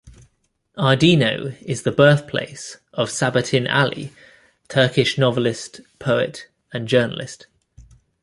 Ardino is the birthplace of Sabahattin Ali, Turkish novelist, poet and journalist.